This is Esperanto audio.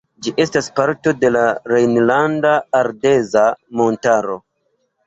Ĝi estas parto de la Rejnlanda Ardeza Montaro.